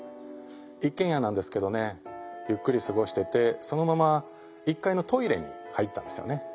一軒家なんですけどねゆっくり過ごしててそのまま１階のトイレに入ったんですよね。